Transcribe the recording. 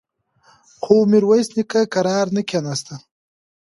خو ميرويس نيکه کرار نه کېناسته.